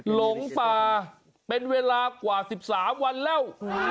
หลงป่าเป็นเวลากว่า๑๓วันแล้ว